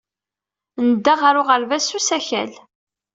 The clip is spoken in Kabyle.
Nedda ɣer uɣerbaz s usakal.